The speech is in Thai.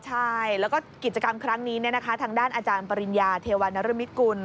ใช่แล้วก็กิจกรรมครั้งนี้ทางด้านอาจารย์ปริญญาเทวานรมิตกุล